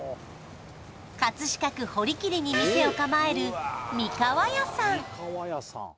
葛飾区堀切に店を構える三河屋さん